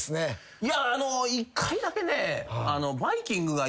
いやあの１回だけね。